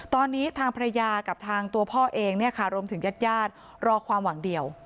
ตอนนี้ทางภรรยากับทางตัวพ่อเองรวมถึงญาติญาติรอความหวังเดียว